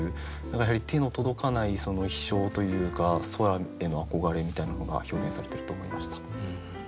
何かやはり手の届かないその飛しょうというか空への憧れみたいなのが表現されてると思いました。